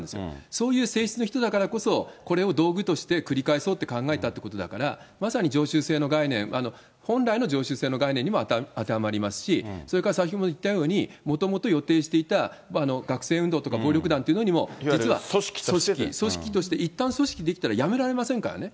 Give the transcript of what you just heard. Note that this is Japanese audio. そういう性質の人だからこそ、これを道具として繰り返そうって考えたってことだから、まさに常習性の概念、本来の常習性の概念にも当てはまりますし、それから先ほども言ったように、もともと予定していた学生運動とか暴力団というのにも、実は組織、組織としていったん組織出来たらやめられませんからね。